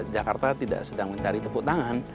jakarta tidak sedang mencari tepuk tangan